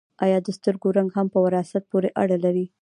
ایا د سترګو رنګ هم په وراثت پورې اړه لري